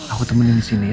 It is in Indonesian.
aku temenin disini ya